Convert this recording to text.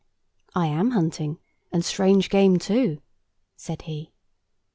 "I am hunting, and strange game too," said he.